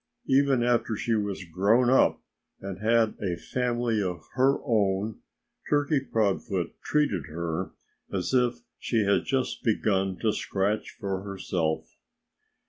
Even after she was grown up and had a family of her own, Turkey Proudfoot treated her as if she had just begun to scratch for herself.